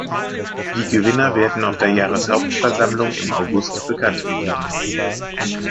Die Gewinner werden auf der Jahreshauptversammlung im August bekanntgegeben.